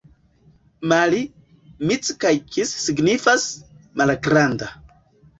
Mali, mic kaj kis signifas: malgranda.